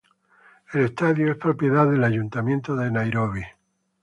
El estadio es propiedad del Ayuntamiento de Nairobi.